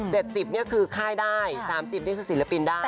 ๗๐นี่คือค่ายได้๓๐นี่คือศิลปินได้